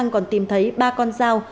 còn tìm thấy ba con dao